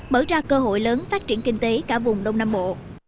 mở ra cơ hội lớn phát triển kinh tế cả vùng đông nam bộ